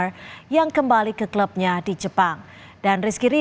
saya tidak mau melakukan apa yang saya bisa